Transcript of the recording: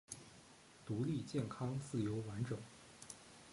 独立健康自由完整